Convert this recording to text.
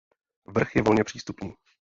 Vrch je volně přístupný.